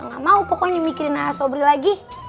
gak mau pokoknya mikirin sobri lagi